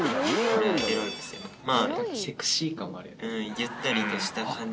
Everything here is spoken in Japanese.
ゆったりとした感じ。